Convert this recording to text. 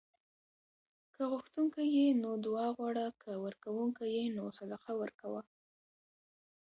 که غوښتونکی یې نو دعا غواړه؛ که ورکونکی یې نو صدقه ورکوه